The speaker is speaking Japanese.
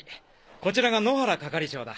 こちらが野原係長だ。